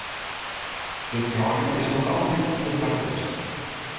De trein is noch altyd de takomst.